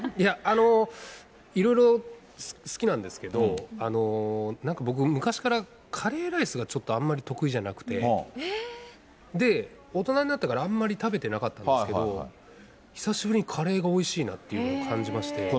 あの、いろいろ好きなんですけど、なんか僕、昔からカレーライスがちょっとあんまり得意じゃなくて、で、大人になってからあんまり食べてなかったんですけど、久しぶりにカレーがおいしいなというふうに感じまして。